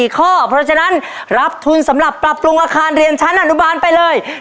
ข้อเพราะฉะนั้นรับทุนสำหรับปรับปรุงอาคารเรียนชั้นอนุบาลไปเลย